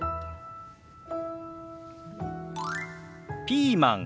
「ピーマン」。